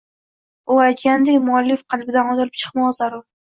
U aytganidek, muallif qalbidan otilib chiqmog’i zarur.